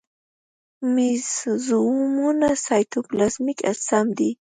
مېزوزومونه سایتوپلازمیک اجسام دي.